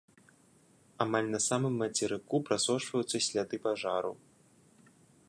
Амаль на самым мацерыку прасочваюцца сляды пажару.